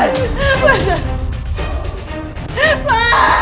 dia gak tau apa apa